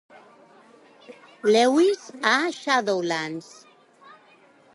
Lewis a "Shadowlands".